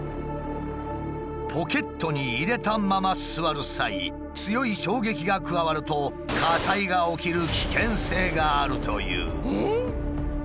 ポケットに入れたまま座る際強い衝撃が加わると火災が起きる危険性があるという。